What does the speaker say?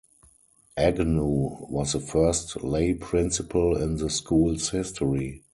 Agnew was the first lay principal in the school's history.